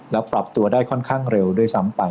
แล้วปรับตัวได้ค่อนข้างเร็วด้วยซ้ำไป